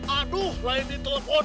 aduh lain ditelpon